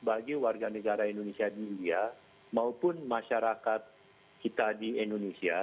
bagi warga negara indonesia di india maupun masyarakat kita di indonesia